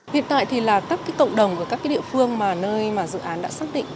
hiện tại thì là các cộng đồng của các địa phương mà nơi mà dự án đã xác định